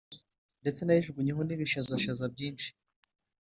ndetse nayijugunyeho n'ibishazashaza byinshi.